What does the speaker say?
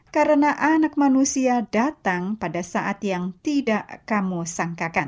karena anak manusia datang pada saat yang tidak kamu sangkakan